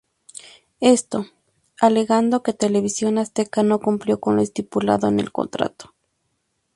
Esto, alegando que Televisión Azteca no cumplió con lo estipulado en el contrato.